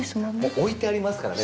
置いてありますからね